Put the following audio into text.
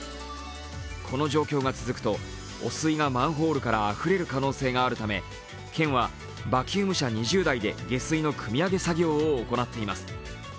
この状況が続くと、汚水がマンホールからあふれる可能性があるため県はバキューム車２０台で下水のくみ上げ作業を行っています。